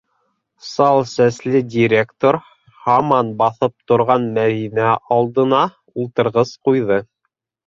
- Сал сәсле директор һаман баҫып торған Мәҙинә алдына ултырғыс ҡуйҙы.